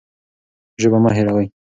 ژبه مه هېروئ.